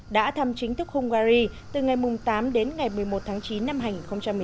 đã thăm chính thức hungary từ ngày tám đến ngày một mươi một tháng chín năm hai nghìn một mươi chín